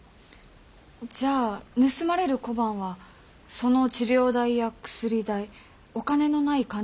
じゃあ盗まれる小判はその治療代や薬代お金のない患者にかかった費用。